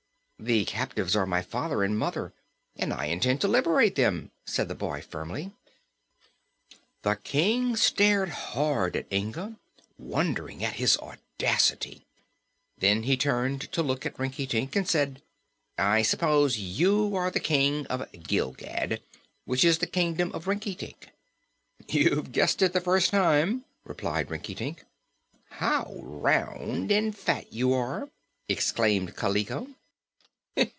"The captives are my father and mother, and I intend to liberate them," said the boy firmly. The King stared hard at Inga, wondering at his audacity. Then he turned to look at King Rinkitink and said: "I suppose you are the King of Gilgad, which is in the Kingdom of Rinkitink." "You've guessed it the first time," replied Rinkitink. "How round and fat you are!" exclaimed Kaliko.